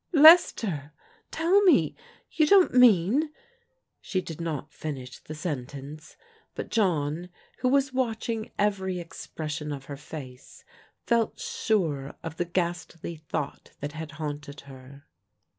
" Lester, tell me ; you don't mean She did not finish the sentence, but John, who was watching every expression of her face, felt sure of the ghastly thought that had haunted her.